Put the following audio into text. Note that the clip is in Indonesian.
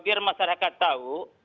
biar masyarakat tahu